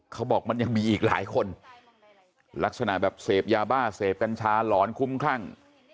เขาบอกมันยังมีอีกหลายคนลักษณะแบบเสพยาบ้าเสพกัญชาหลอนคุ้มคลั่ง